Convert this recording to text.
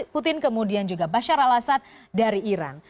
putin kemudian juga bashar al assad dari iran